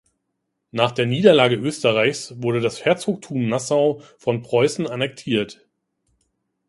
Nach der Niederlage Österreichs wurde das Herzogtum Nassau von Preußen annektiert.